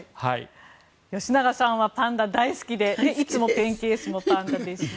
吉永さんはパンダ、大好きでいつもペンケースもパンダですしね。